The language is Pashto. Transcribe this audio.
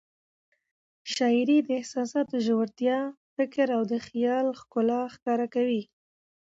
شاعري د احساساتو ژورتیا، فکر او خیال ښکلا ښکاره کوي.